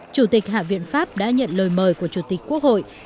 chủ tịch hạ viện pháp đã nhận lời mời của chủ tịch quốc hội